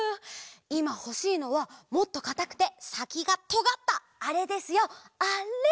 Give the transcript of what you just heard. いまほしいのはもっとかたくてさきがとがったあれですよあれ！